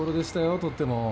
とっても。